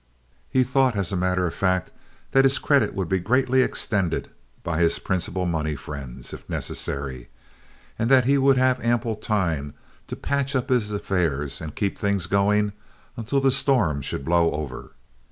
He thought, as a matter of fact, that his credit would be greatly extended by his principal money friends if necessary, and that he would have ample time to patch up his affairs and keep things going until the storm should blow over.